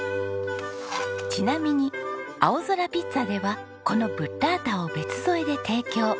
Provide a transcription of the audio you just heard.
ちなみにあおぞらピッツァではこのブッラータを別添えで提供。